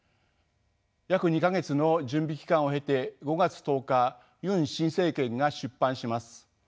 約２か月の準備期間を経て５月１０日ユン新政権が出帆します。